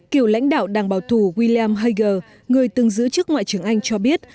kiểu lãnh đạo đảng bà thủ william hager người từng giữ trước ngoại trưởng anh cho biết